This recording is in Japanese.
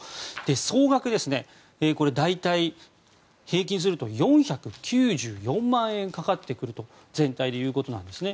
総額大体、平均すると４９４万円かかってくると全体でということなんです。